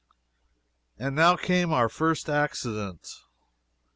And now came our first accident.